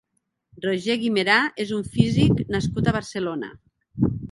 Roger Guimerà és un físic nascut a Barcelona.